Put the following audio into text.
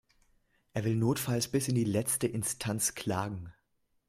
Er will notfalls bis in die letzte Instanz klagen.